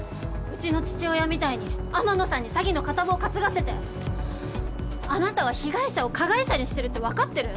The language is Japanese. うちの父親みたいに天野さんに詐欺の片棒担がせてあなたは被害者を加害者にしてるって分かってる？